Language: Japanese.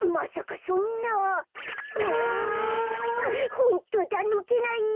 ホントだぬけないよ！